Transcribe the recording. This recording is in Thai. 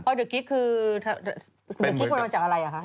พลอยเดอร์กิ๊กคือเดอร์กิ๊กมาจากอะไรอ่ะคะ